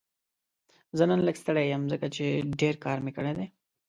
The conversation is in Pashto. زه نن لږ ستړی یم ځکه چې ډېر کار مې کړی دی